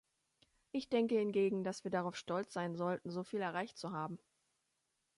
Ich denke hingegen, dass wir darauf stolz sein sollten, so viel erreicht zu haben.